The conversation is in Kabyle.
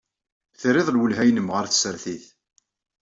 Terriḍ lwelha-nnem ɣer tsertit.